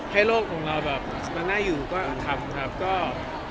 ให้โลกของเรามาน่าอยู่ก็ทำครับ